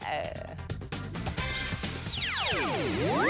เออ